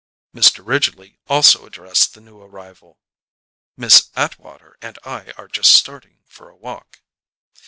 Mr. Ridgely also addressed the new arrival. "Miss Atwater and I are just starting for a walk."